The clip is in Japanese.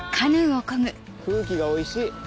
空気がおいしい。